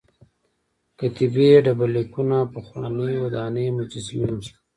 کتیبې ډبر لیکونه پخوانۍ ودانۍ مجسمې هم شته.